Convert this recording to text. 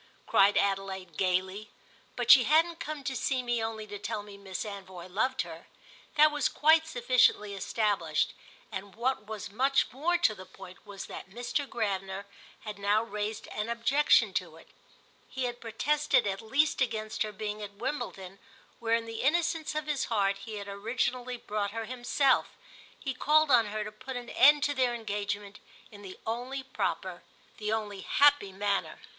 cried Adelaide gaily. But she hadn't come to see me only to tell me Miss Anvoy loved her: that was quite sufficiently established, and what was much more to the point was that Mr. Gravener had now raised an objection to it. He had protested at least against her being at Wimbledon, where in the innocence of his heart he had originally brought her himself; he called on her to put an end to their engagement in the only proper, the only happy manner.